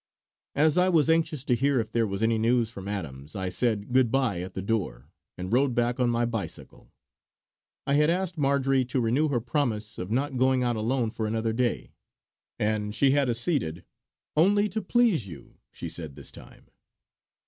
As I was anxious to hear if there was any news from Adams I said good bye at the door, and rode back on my bicycle. I had asked Marjory to renew her promise of not going out alone for another day, and she had acceded; 'only to please you,' she said this time.